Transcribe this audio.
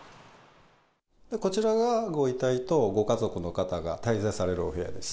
こちらがご遺体とご家族の方が滞在されるお部屋です。